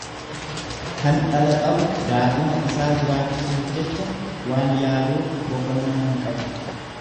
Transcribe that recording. Kan dhala qabu, daa'ima isaa jiraachisuuf jecha waan yaaduuf boqonnaa hin qabu.